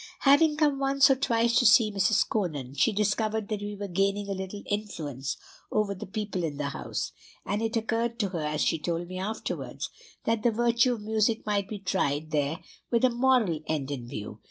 "Having come once or twice to see Mrs. Conan, she discovered that we were gaining a little influence over the people in the house; and it occurred to her, as she told me afterwards, that the virtue of music might be tried there with a moral end in view.